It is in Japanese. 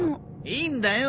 いいんだよ。